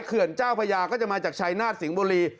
เขื่อนเจ้าพญาก็จะมาจากชายนาฏสิงห์บุรี